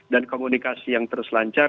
dan komunikasi yang terus lancar